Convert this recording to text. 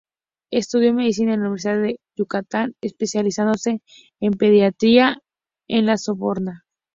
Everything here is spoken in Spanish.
Estudió medicina en la Universidad de Yucatán, especializándose en pediatría en La Sorbona.